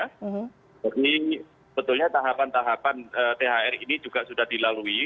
tapi betulnya tahapan tahapan thr ini juga sudah dilalui